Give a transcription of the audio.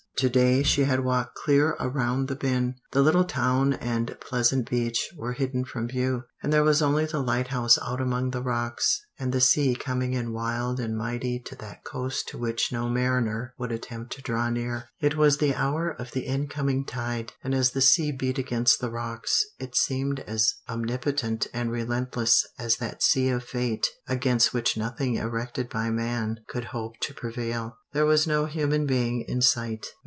To day she had walked clear around the bend. The little town and pleasant beach were hidden from view, and there was only the lighthouse out among the rocks, and the sea coming in wild and mighty to that coast to which no mariner would attempt to draw near. It was the hour of the in coming tide, and as the sea beat against the rocks it seemed as omnipotent and relentless as that sea of fate against which nothing erected by man could hope to prevail. There was no human being in sight.